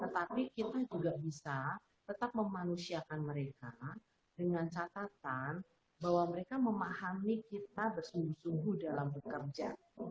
tetapi kita juga bisa tetap memanusiakan mereka dengan catatan bahwa mereka memahami kita bersungguh sungguh dalam bekerja